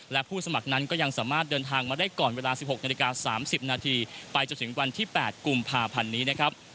และผู้สมัครนั้นก็ยังสามารถเดินทางมาได้ก่อนเวลา๑๖นาฬิกา๓๐นาทีไปจนถึงวันที่๘กุมภาพันธ์นี้นะครับ